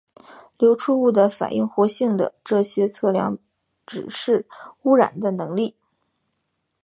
流出物的反应活性的这些测量指示污染的能力。